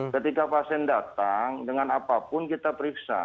ketika pasien datang dengan apapun kita periksa